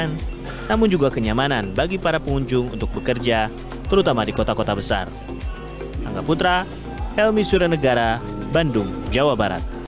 namun juga kenyamanan bagi para pengunjung untuk bekerja terutama di kota kota besar